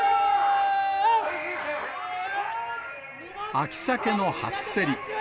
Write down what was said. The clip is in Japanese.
秋サケの初競り。